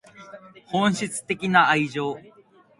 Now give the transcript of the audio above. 本質的な愛情